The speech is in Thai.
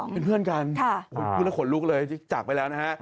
เป็นเพื่อนกันพูดแล้วขนลุกเลยจากไปแล้วนะฮะ